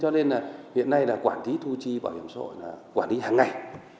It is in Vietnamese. cho nên hiện nay quản lý thu chi bảo hiểm xã hội là quản lý hàng ngày